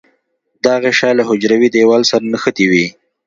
دا غشا له حجروي دیوال سره نښتې وي.